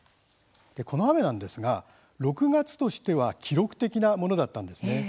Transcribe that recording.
この雨なんですが６月としては記録的なものだったんです。